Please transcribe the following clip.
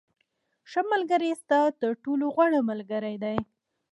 • ښه ملګری ستا تر ټولو غوره ملګری دی.